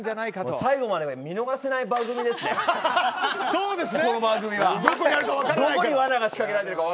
最後まで見逃せない番組ですね。